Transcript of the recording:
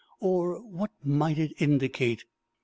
Or what might it indicate?